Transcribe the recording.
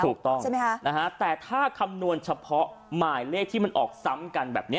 ถูกต้องใช่ไหมคะแต่ถ้าคำนวณเฉพาะหมายเลขที่มันออกซ้ำกันแบบนี้